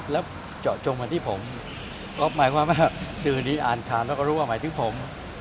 แล้วเจาะจงเหมือนที่ผมก็หมายความว่าสื่อนี้อ่านข่าวแล้วก็รู้ว่าหมายถึงผม